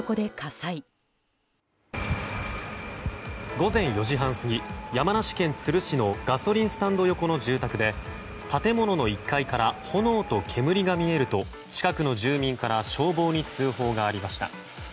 午前４時半過ぎ山梨県都留市のガソリンスタンド横の住宅で建物の１階から炎と煙が見えると近くの住民から消防に通報がありました。